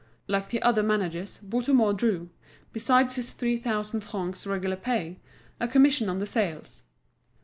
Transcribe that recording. Like the other managers, Bouthemont drew, besides his three thousand francs regular pay, a commission on the sales.